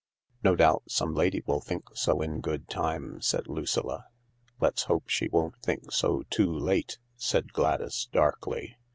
"No doubt some lady will think so in good time," said Lucilla. "Let's hope she won't think so too late," said Gladys darkly.